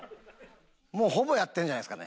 もうほぼやってるんじゃないですかね。